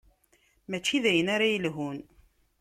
Mačči d ayen ara yelhun.